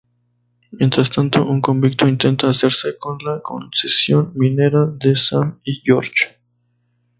Mientras tanto un convicto intenta hacerse con la concesión minera de Sam y George.